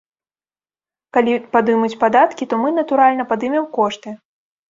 Калі падымуць падаткі, то мы, натуральна, падымем кошты.